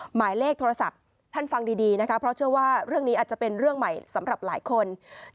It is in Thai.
หมายเลขโทรศัพท์ท่านฟังดีนะคะเพราะเชื่อว่าเรื่องนี้อาจจะเป็นเรื่องใหม่สำหรับหลายคน